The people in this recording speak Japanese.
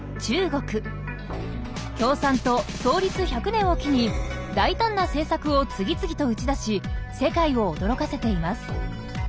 共産党創立１００年を機に大胆な政策を次々と打ち出し世界を驚かせています。